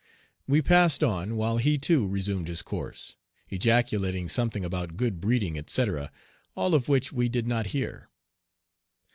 We passed on, while he, too, resumed his course, ejaculating something about "good breeding," etc., all of which we did not hear.